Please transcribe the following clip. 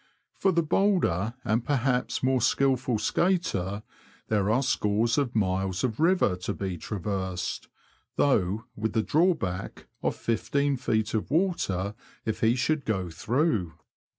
For the bolder, and perhaps 232 THE LAND OF THE BROADS. more skilful, skater, there are scores of miles of river to be traversed, though with the drawback of fifteen feet of water if he should go through.